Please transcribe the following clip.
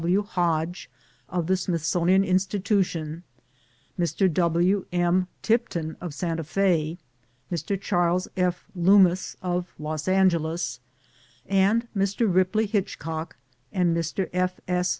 W. Hodge of the Smithsonian Institution, Mr. W. M. Tipton of Santa F^, Mr. Charles F. Lummis of Los Angeles, and Mr. Bipley Hitchcock and Mr. F. S.